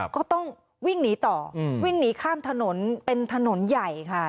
ก็ต้องวิ่งหนีต่อวิ่งหนีข้ามถนนเป็นถนนใหญ่ค่ะ